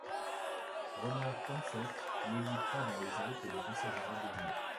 Ronan Pensec le lui prend dans les Alpes et le conservera deux jours.